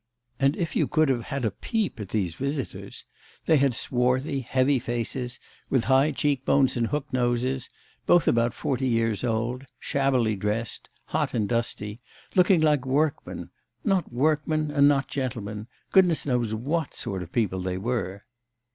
And if you could have had a peep at these visitors. They had swarthy, heavy faces with high cheek bones and hook noses, both about forty years old, shabbily dressed, hot and dusty, looking like workmen not workmen, and not gentlemen goodness knows what sort of people they were.